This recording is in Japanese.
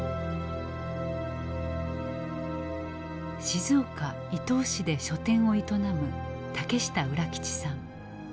静岡・伊東市で書店を営む竹下浦吉さん。